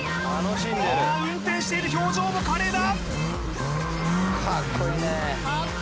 おお運転している表情も華麗だ